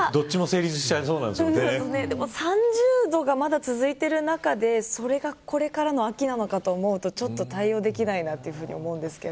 でも３０度がまだ続いている中でそれがこれからの秋なのかと思うと、対応できないなと思います。